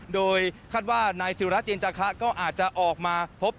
โดยคาดว่านายศิราเจนจาคะก็อาจจะออกมาพบ